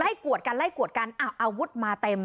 กวดกันไล่กวดกันอาวุธมาเต็ม